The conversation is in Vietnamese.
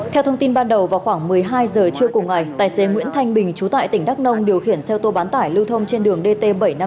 theo thông tin ban đầu vào khoảng một mươi hai giờ trưa cùng ngày tài xế nguyễn thanh bình chú tại tỉnh đắk nông điều khiển xe ô tô bán tải lưu thông trên đường dt bảy trăm năm mươi